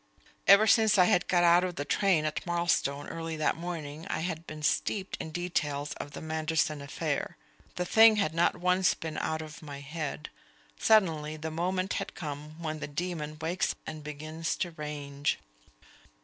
Ever since I had got out of the train at Marlstone early that morning I had been steeped in details of the Manderson affair; the thing had not once been out of my head. Suddenly the moment had come when the dæmon wakes and begins to range.